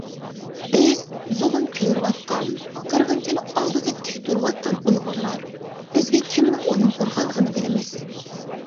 بىز زۇلۇم كۆرۈۋاتقان، قىرغىنچىلىق ئالدىدا تىك تۇرۇۋاتقان ئۇيغۇرلار بىزگە كىمنىڭ ئويۇن قۇرغانلىقىنى بىلىمىز.